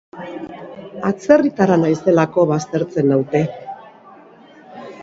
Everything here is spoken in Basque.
Atzerritarra naizelako baztertzen naute.